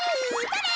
それ！